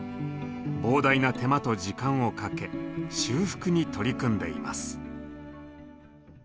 膨大な手間と時間をかけ修復に取り組んでいます。